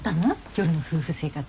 夜の夫婦生活。